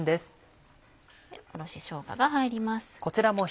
おろししょうがが入ります。